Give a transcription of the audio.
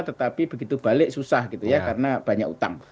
tetapi begitu balik susah gitu ya karena banyak utang